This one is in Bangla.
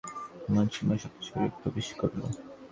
এমন সময় সতীশ ঘরে প্রবেশ করিল।